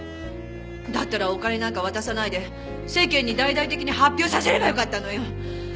だったらお金なんか渡さないで世間に大々的に発表させればよかったのよ！